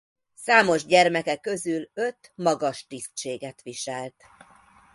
Számos gyermeke közül öt magas tisztséget viselt.